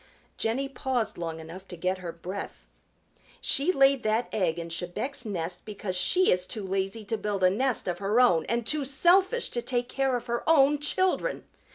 Jenny paused long enough to get her breath. "She laid that egg in Chebec's nest because she is too lazy to build a nest of her own and too selfish to take care of her own children.